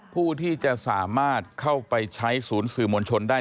ผู้ที่จะสามารถเข้าไปใช้ศูนย์สื่อมวลชนได้